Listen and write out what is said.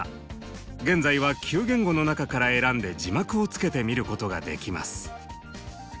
現在は９言語の中から選んで字幕をつけて見ることができます。